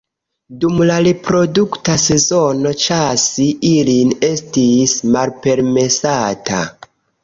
Dum la reprodukta sezono ĉasi ilin estis malpermesata.